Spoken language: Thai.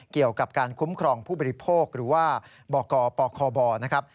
เกี่ยวกับการคุ้มครองผู้บริโภคหรือว่าบกปคบนะครับ